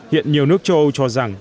hiện nhiều nước châu âu cho rằng